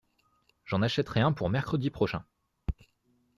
J’en achèterai un pour mercredi prochain.